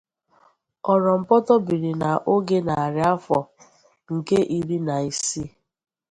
Orompoto biri na oge narị afọ nke iri na isii.